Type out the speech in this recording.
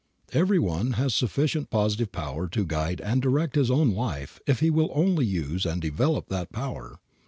Every one has sufficient positive power to guide and direct his own life if he will only use and develop that power.